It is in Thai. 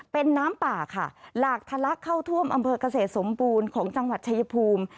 เป็นน้ำป่าค่ะหลากทะลักเข้าท่วมอำเภอกเกษตรสมบูรณ์ของจังหวัดชายภูมิ